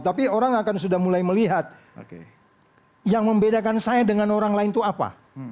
tapi orang akan sudah mulai melihat yang membedakan saya dengan orang lain itu apa